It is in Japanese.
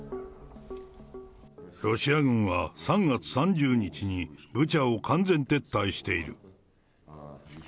ロシア軍は、３月３０日にブチャを完全撤退している。